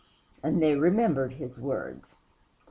And they remembered his words.